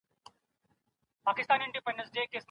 هغه د غرور نښې نه ښودلې.